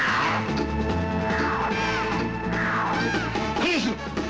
何をする！